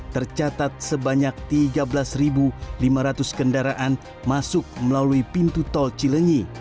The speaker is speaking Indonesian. tercatat sebanyak tiga belas lima ratus kendaraan masuk melalui pintu tol cilenyi